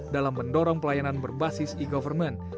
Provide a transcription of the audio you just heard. dalam mendorong pelayanan berbasis e government